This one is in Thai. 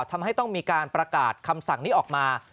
ทำให้ต้องมีการประกาศคำสั่งนี้ออกมา